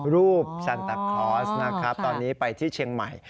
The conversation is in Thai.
รูปซันตาคลอสนะครับตอนนี้ไปที่เชียงใหม่